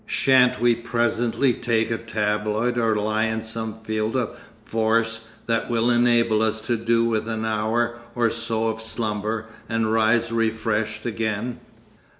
Shan't we presently take a tabloid or lie in some field of force that will enable us to do with an hour or so of slumber and rise refreshed again?